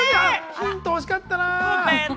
ヒント欲しかったな。